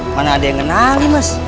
mana ada yang kenali mas